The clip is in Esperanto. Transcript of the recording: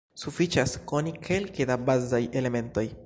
Sufiĉas koni kelke da bazaj elementoj.